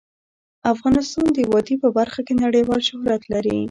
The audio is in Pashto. افغانستان د وادي په برخه کې نړیوال شهرت لري.